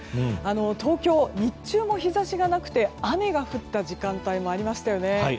東京、日中も日差しがなくて雨が降った時間帯もありましたよね。